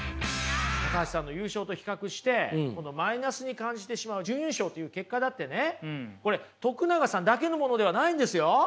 橋さんの優勝と比較してマイナスに感じてしまう準優勝という結果だってねこれ永さんだけのものではないんですよ。